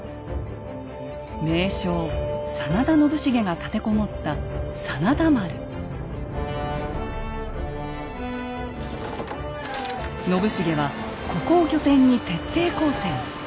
名将・真田信繁が立て籠もった信繁はここを拠点に徹底抗戦。